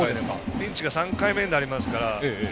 ピンチが３回目になりますから。